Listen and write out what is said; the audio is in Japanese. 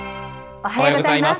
おはようございます。